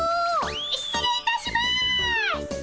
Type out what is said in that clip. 失礼いたします！